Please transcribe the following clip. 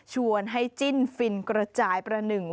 ชวนให้จิ้นฟินกระจายประหนึ่ง